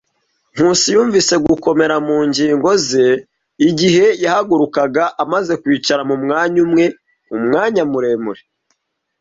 Nkusi yumvise gukomera mu ngingo ze igihe yahagurukaga amaze kwicara mu mwanya umwe umwanya muremure.